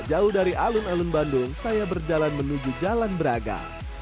jauh dari alun alun bandung saya berjalan menuju jalan braga